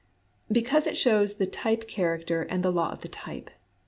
Because it shows the type character and the law of the type.